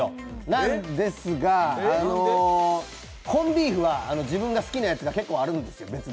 なんですが、コンビーフは自分が好きなやつが別で結構あるんですよ。